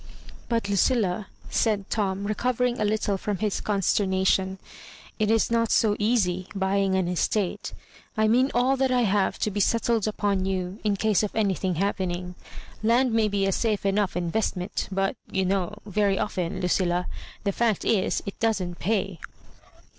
"But, Lucilla," said Tom, recovering a Httle from his consternation, V it is not so easy buy ing an estate. I mean all that I have to be settled upon you, in case of anything happen ing. Land may be a safe enough investment, but, you know, very often, Lucilla — ^the fact is it doesn't pay.'